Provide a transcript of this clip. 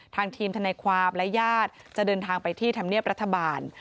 ทีมทนายความและญาติจะเดินทางไปที่ธรรมเนียบรัฐบาล